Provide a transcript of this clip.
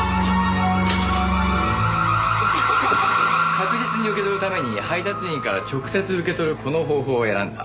確実に受け取るために配達員から直接受け取るこの方法を選んだ。